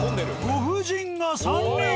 ご婦人が３人。